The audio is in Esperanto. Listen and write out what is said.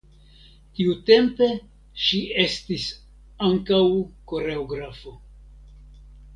Tiutempe ŝi estis ankaŭ koreografo.